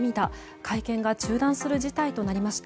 会見が中断する事態となりました。